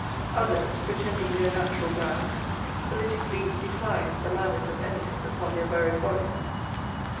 Others pretending no natural grounds, politickly declined the malice of enemies upon their buried bodies.